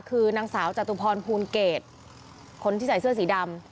คือนางสาวจตุพรภูลเกตคนที่ใส่เสื้อสีดำ